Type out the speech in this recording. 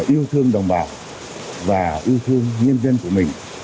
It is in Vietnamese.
yêu thương đồng bào và yêu thương nhân dân của mình